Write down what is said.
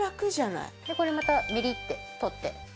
でこれまたビリッて取って。